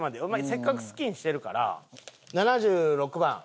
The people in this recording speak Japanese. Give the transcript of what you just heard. せっかくスキンにしてるから７６番。